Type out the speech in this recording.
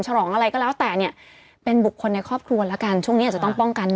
ฉลองอะไรก็แล้วแต่เนี่ยเป็นบุคคลในครอบครัวแล้วกันช่วงนี้อาจจะต้องป้องกัน